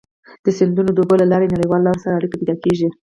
د سیندونو د اوبو له لارې نړیوالو لارو سره اړيکي پيدا کیږي.